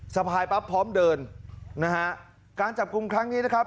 สะพายปั๊บพร้อมเดินนะฮะการจับกลุ่มครั้งนี้นะครับ